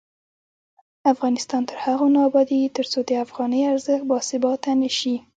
افغانستان تر هغو نه ابادیږي، ترڅو د افغانۍ ارزښت باثباته نشي.